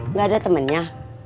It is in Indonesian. nggak ada temennya